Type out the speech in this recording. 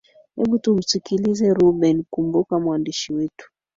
hebu tumsikilize rebuen kumbuka mwandishi wetu